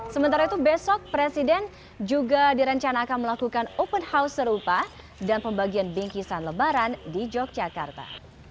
sementara itu besok presiden juga direncana akan melakukan open house serupa dan pembagian bingkisan lebaran di yogyakarta